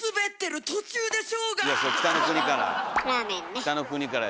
「北の国から」